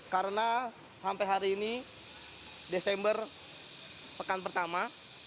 karena sampai hari ini desember pekan pertama